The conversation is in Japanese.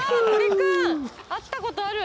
会ったことある！